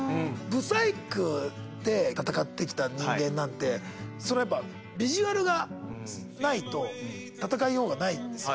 ブサイクで戦ってきた人間なんてやっぱビジュアルがないと戦いようがないんですよ。